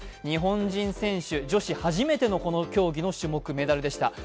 日本人選手女子初めてのこの競技のメダルでした。